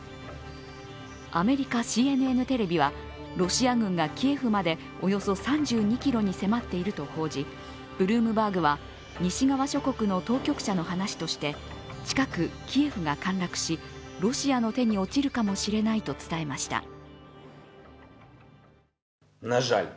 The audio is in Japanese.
アメリカＣＮＮテレビは、ロシア軍がキエフまでおよそ３２ｋｍに迫っていると報じブルームバーグは西側諸国の当局者の話として、近くキエフが陥落し、ロシアの手に落ちるかもしれないと伝えました。